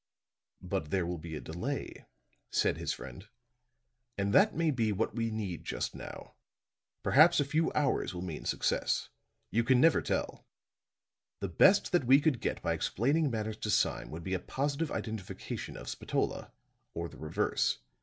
"But there will be a delay," said his friend. "And that may be what we need just now. Perhaps a few hours will mean success. You can never tell. The best that we could get by explaining matters to Sime would be a positive identification of Spatola, or the reverse.